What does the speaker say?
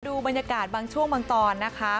ดูบรรยากาศบางช่วงบางตอนนะคะ